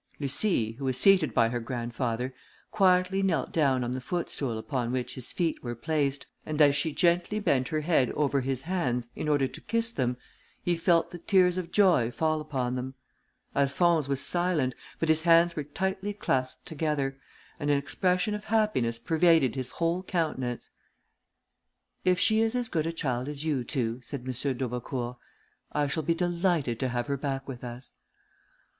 Lucie, who was seated by her grandfather, quietly knelt down on the footstool upon which his feet were placed, and as she gently bent her head over his hands, in order to kiss them, he felt the tears of joy fall upon them. Alphonse was silent, but his hands were tightly clasped together, and an expression of happiness pervaded his whole countenance. "If she is as good a child as you two," said M. d'Aubecourt, "I shall be delighted to have her back with us."